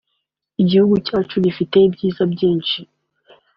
Igihugu cyacu gifite ibyiza byinshi